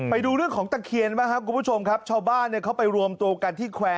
ไปดูเรื่องของตะเคียนมั้ยครับชาวบ้านเขารวมตัวกันที่แควร์